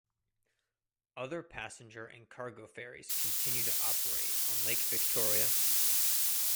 Other passenger and cargo ferries continue to operate on Lake Victoria.